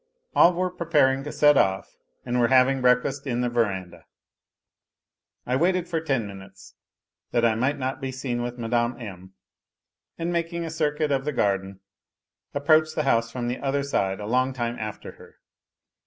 All were preparing to set off, and were having breakfast in the verandah. I waited for ten minutes, that I might not be seen with Mme. M., and making a circuit of the garden approached the house from the other side a long time after her.